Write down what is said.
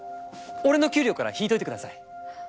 俺の給料から引いといてください。